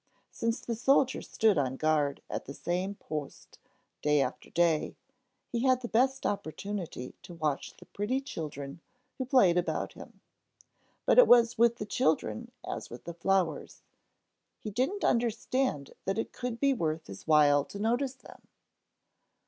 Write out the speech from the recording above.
Since the soldier stood on guard at the same post day after day, he had the best opportunity to watch the pretty children who played about him. But it was with the children as with the flowers: he didn't understand that it could be worth his while to notice them.